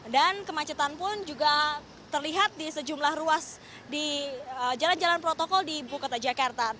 dan kemacetan pun juga terlihat di sejumlah ruas di jalan jalan protokol di ibu kota jakarta